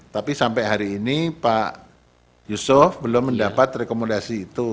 tapi sampai hari ini pak yusuf belum mendapat rekomendasi itu